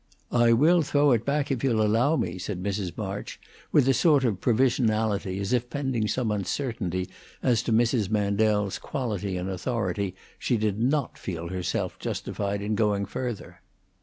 "I will throw it back, if you'll allow me," said Mrs. March, with a sort of provisionality, as if, pending some uncertainty as to Mrs. Mandel's quality and authority, she did not feel herself justified in going further.